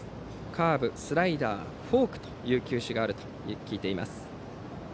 カーブ、スライダーフォークという球種があります。